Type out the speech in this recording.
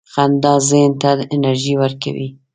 • خندا ذهن ته انرژي ورکوي.